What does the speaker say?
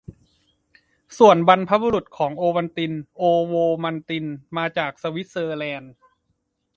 ส่วนบรรพบุรุษของโอวัลติน "โอโวมัลติน" มาจากสวิสเซอร์แลนด์